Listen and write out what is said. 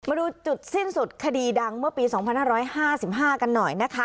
มาดูจุดสิ้นสุดคดีดังเมื่อปีสองพันห้าร้อยห้าสิบห้ากันหน่อยนะคะ